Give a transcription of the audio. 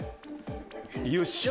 よっしゃ！